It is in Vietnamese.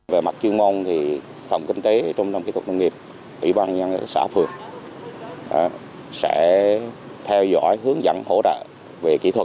về mặt chuyên môn phòng kinh tế trung tâm kỹ thuật nông nghiệp ủy ban nhân xã phường sẽ theo dõi hướng dẫn hỗ trợ về kỹ thuật